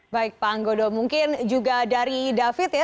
baik pak anggodo mungkin juga dari david ya